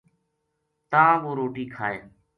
تاں وہ روٹی کھائے‘‘